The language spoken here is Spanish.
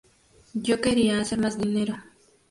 Yo quería hacer más dinero.